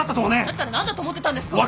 だったら何だと思ってたんですか。